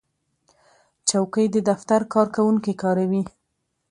چوکۍ د دفتر کارکوونکي کاروي.